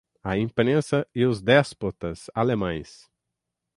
A Imprensa e os Déspotas Alemães